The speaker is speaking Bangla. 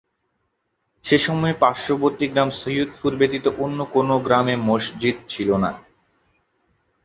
সে সময়ে পার্শ্ববর্তী গ্রাম সৈয়দপুর ব্যতীত অন্য কোন গ্রামে মসজিদ ছিল না।